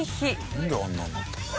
なんであんなになったんだ？